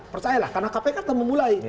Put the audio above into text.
percayalah karena kpk telah memulai